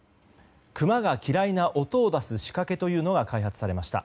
クマが嫌いな音を出す仕掛けが開発されました。